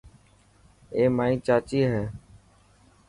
اي مائي چاچي هي.